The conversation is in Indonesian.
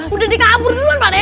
udah dikabur duluan pak nai